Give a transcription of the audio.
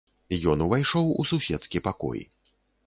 Ён увайшоў у суседскі пакой.